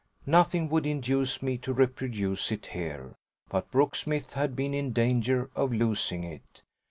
Nothing would induce me to reproduce it here, but Brooksmith had been in danger of losing it.